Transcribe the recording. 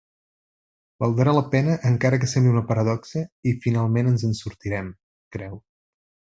“Valdrà la pena, encara que sembli una paradoxa, i finalment ens en sortirem”, creu.